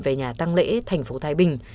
về nhà tăng lễ thành phố thái bình